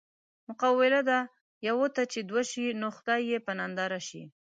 مقوله ده: یوه ته چې دوه شي نو خدای یې په ننداره شي.